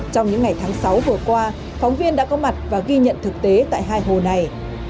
trong những ngày tháng sáu vừa qua phóng viên đã có mặt và ghi nhận thực tế tại hai hồ này